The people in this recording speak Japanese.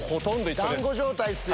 だんご状態ですよ。